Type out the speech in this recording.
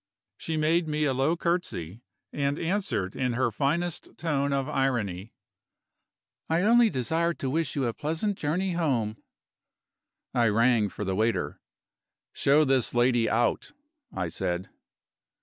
She made me a low curtsey, and answered in her finest tone of irony: "I only desire to wish you a pleasant journey home." I rang for the waiter. "Show this lady out," I said.